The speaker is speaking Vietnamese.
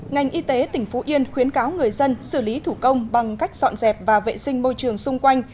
ngành y tế tỉnh phú yên khuyến cáo người dân xử lý thủ công bằng cách dọn dẹp và vệ sinh môi trường xung quanh